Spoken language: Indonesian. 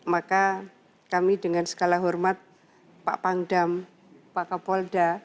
maka kami dengan segala hormat pak pangdam pak kapolda